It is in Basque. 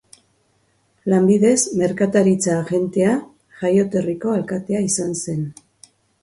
Lanbidez merkataritza-agentea, jaioterriko alkatea izan zen.